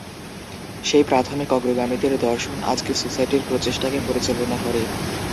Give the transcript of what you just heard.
সেই প্রাথমিক অগ্রগামীদের দর্শন আজকে সোসাইটির প্রচেষ্টাকে পরিচালনা করে।